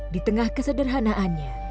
di tengah kesederhanaannya